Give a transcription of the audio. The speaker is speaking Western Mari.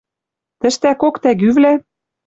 Тӹштӓкок тӓгӱвлӓ